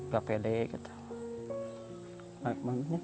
gak pilih gitu